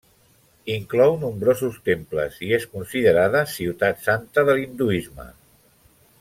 Inclou nombrosos temples i és considerada ciutat santa de l'hinduisme.